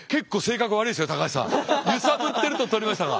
ゆさぶってると取りましたか。